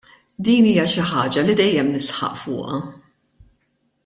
Din hija xi ħaġa li dejjem nisħaq fuqha.